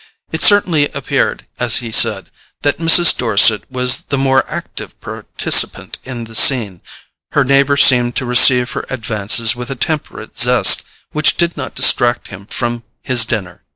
It certainly appeared, as he said, that Mrs. Dorset was the more active participant in the scene: her neighbour seemed to receive her advances with a temperate zest which did not distract him from his dinner.